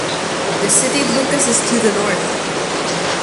The city of Lucas is to the north.